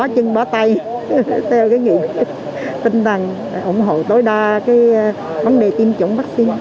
chân bỏ tay theo cái nghĩa tinh thần ủng hộ tối đa cái vấn đề tiêm chủng bác sĩ